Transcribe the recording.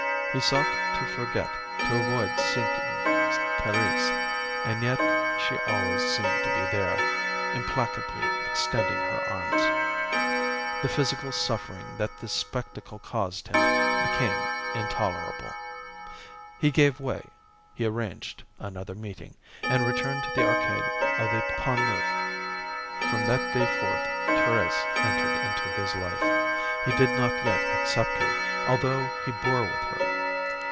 He sought to forget, to avoid seeing Thérèse, and yet she always seemed to be there, implacably extending her arms. The physical suffering that this spectacle caused him became intolerable. He gave way. He arranged another meeting, and returned to the Arcade of the Pont Neuf. From that day forth, Thérèse entered into his life. He did not yet accept her, although he bore with her.